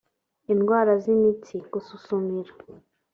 Indwara z’imitsi (gususumira